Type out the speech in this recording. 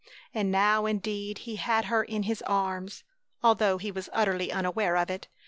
And now indeed he had her in his arms, although he was utterly unaware of it.